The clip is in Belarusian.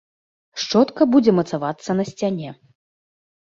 Шчотка будзе мацавацца на сцяне.